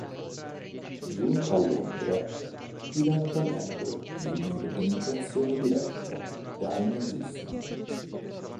Giunta a Londra, diventa membro di un'organizzazione diretta dai nazisti.